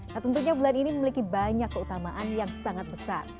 nah tentunya bulan ini memiliki banyak keutamaan yang sangat besar